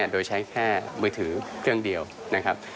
โดยใช้แค่มือถือเครื่องเดียวนะครับ